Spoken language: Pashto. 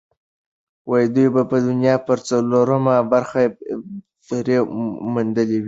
دوی به د دنیا پر څلورمه برخه بری موندلی وي.